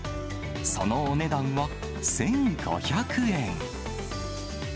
そのお値段は１５００円。